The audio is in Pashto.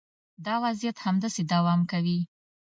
دا وضعیت همداسې دوام کوي.